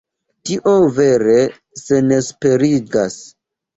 Tio vere senesperigas.